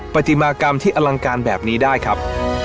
ปฏิมากรรมที่อลังการแบบนี้ได้ครับ